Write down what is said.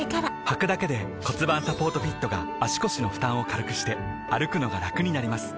はくだけで骨盤サポートフィットが腰の負担を軽くして歩くのがラクになります